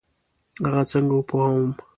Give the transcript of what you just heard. هغه څنګه وپوهوم؟